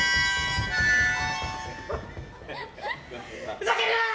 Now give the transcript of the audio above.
ふざけるな！